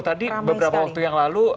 tadi beberapa waktu yang lalu